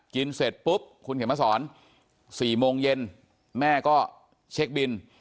เสร็จปุ๊บคุณเขียนมาสอน๔โมงเย็นแม่ก็เช็คบิน